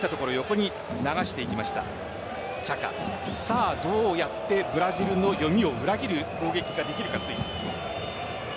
さあどうやってブラジルの読みを裏切る攻撃ができるかスイス。